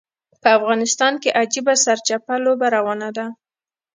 په افغانستان کې عجیبه سرچپه لوبه روانه ده.